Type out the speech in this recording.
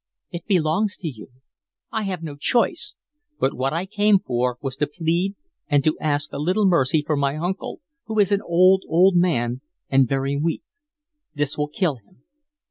"It belongs to you. I have no choice. But what I came for was to plead and to ask a little mercy for my uncle, who is an old, old man, and very weak. This will kill him."